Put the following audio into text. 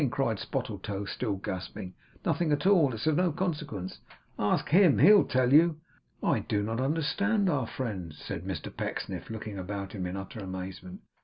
cried Spottletoe, still gasping. 'Nothing at all! It's of no consequence! Ask him! HE'll tell you!' 'I do not understand our friend,' said Mr Pecksniff, looking about him in utter amazement.